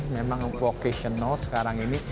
memang vocational sekarang ini